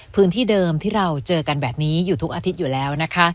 พื้นที่เดิมที่เราเจอกันแบบนี้อยู่ทุกอาทิตย์อยู่แล้วนะคะ